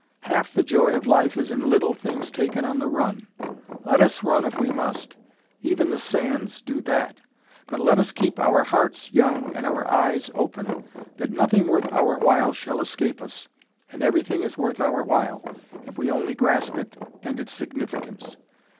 Half the joy of life is in little things taken on the run. Let us run if we must even the sands do that but let us keep our hearts young and our eyes open that nothing worth our while shall escape us. And everything is worth our while, if we only grasp it and its significance.